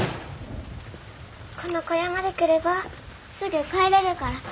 この小屋まで来ればすぐ帰れるから。